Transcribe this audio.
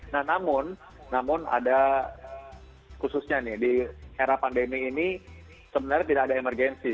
nah namun namun ada khususnya nih di era pandemi ini sebenarnya tidak ada emergensi